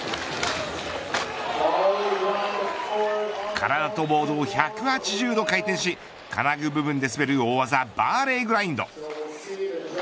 体とボードを１８０度回転し金具部分で滑る大技バーレーグラインド。